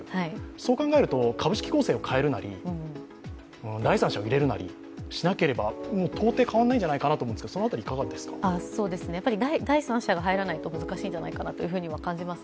そうすると株主構成を変えるなり第三者を入れるなりしなければ、到底変わらないんじゃないかと思いますがやはり第三者が入らないと難しいと思います。